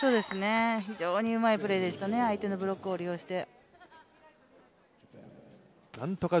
非常にうまいプレーでしたね、相手のブロックを利用して。